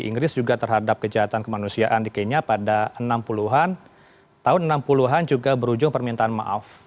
inggris juga terhadap kejahatan kemanusiaan di kenya pada enam puluh an tahun enam puluh an juga berujung permintaan maaf